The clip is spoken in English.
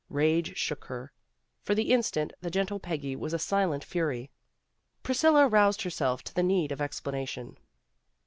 Rage shook her. For the instant, the gentle Peggy was a silent fury. Priscilla roused herself to the need of ex planation.